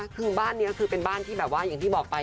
คือบ้านนี้คือเป็นบ้านที่แบบว่าอย่างที่บอกไป